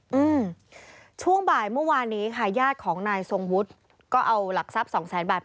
อืมช่วงบ่ายเมื่อวานนี้ค่ะญาติของนายทรงวุฒิก็เอาหลักทรัพย์สองแสนบาท